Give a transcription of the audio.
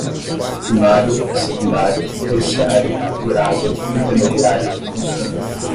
primário, secundário, terciário, durável, intermediário, consumo